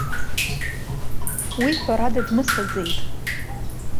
Уи, ҳәарада, дмыцәаӡеит.